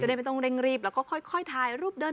สุดยอดน้ำมันเครื่องจากญี่ปุ่น